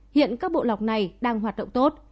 hiện các bộ lọc này đang hoạt động tốt